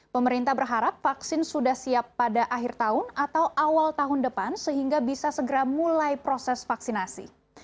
pemerintah berharap vaksin sudah siap pada akhir tahun atau awal tahun depan sehingga bisa segera mulai proses vaksinasi